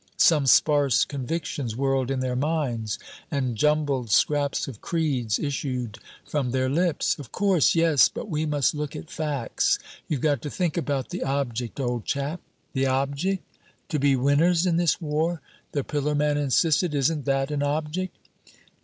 Some sparse convictions whirled in their minds, and jumbled scraps of creeds issued from their lips. "Of course yes but we must look at facts you've got to think about the object, old chap." "The object? To be winners in this war," the pillar man insisted, "isn't that an object?"